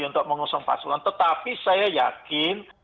untuk mengusung pasukan tetapi saya yakin